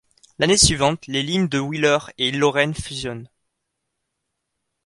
L'année suivante, les lignes de Wyler et Lorraine fusionnent.